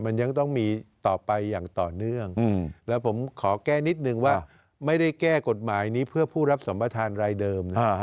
มันยังต้องมีต่อไปอย่างต่อเนื่องแล้วผมขอแก้นิดนึงว่าไม่ได้แก้กฎหมายนี้เพื่อผู้รับสัมประธานรายเดิม